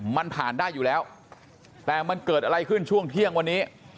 มันผ่านได้อยู่แล้วแต่มันเกิดอะไรขึ้นช่วงเที่ยงวันนี้